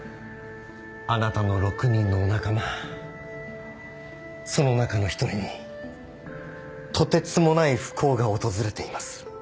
あなたの６人のお仲間その中の１人にとてつもない不幸が訪れています。